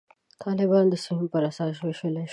طالبان د سیمې پر اساس ویشلای شو.